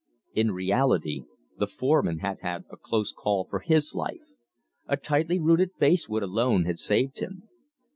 In reality the foreman had had a close call for his life. A toughly rooted basswood alone had saved him.